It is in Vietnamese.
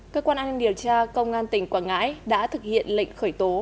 cơ quan an ninh điều tra công an tỉnh quảng ngãi đã thực hiện lệnh khởi tố